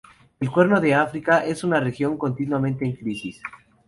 El Cuerno de África es una región continuamente en crisis.